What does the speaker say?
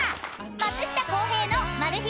［松下洸平のマル秘